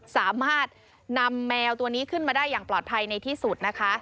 สามารถนำแมวตัวนี้ขึ้นมาได้อย่างปลอดภัยในที่สุดนะคะ